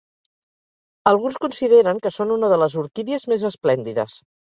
Alguns consideren que són una de les orquídies més esplèndides.